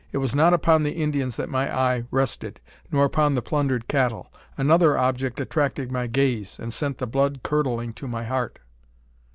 It was not upon the Indians that my eye rested, nor upon the plundered cattle. Another object attracted my gaze, and sent the blood curdling to my heart.